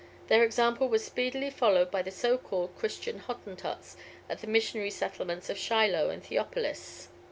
Their example was speedily followed by the so called Christian Hottentots at the missionary settlements of Shiloh and Theopolis.